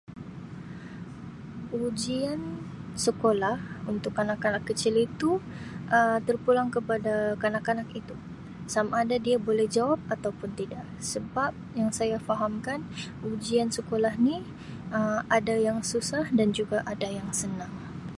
Ujian sekolah untuk kanak-kanak kecil itu Um terpulang kepada kanak-kanak itu sama ada dia boleh jawab atau pun tidak, sebab yang saya fahamkan ujian sekolah ni Um ada yang susah dan juga ads yang senang.